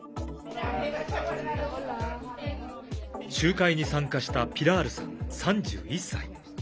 集会に参加したピラールさん、３１歳。